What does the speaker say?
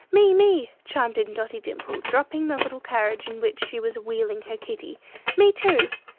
"Me, me," chimed in Dotty Dimple, dropping the little carriage in which she was wheeling her kitty; "me, too!"